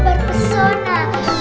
itu harus berpesona